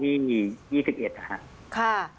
อีกทีหนึ่งครับผมเดี๋ยวว่าเขานัดผมที่๒๑ค่ะ